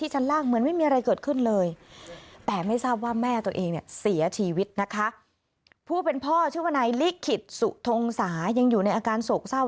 ผู้เป็นพ่อชื่อวนายลิขิตสุทงศายังอยู่ในอาการโศกเศร้า